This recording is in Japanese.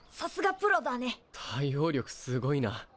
対応力すごいな。